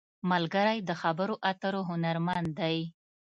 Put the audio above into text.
ملګری د خبرو اترو هنرمند دی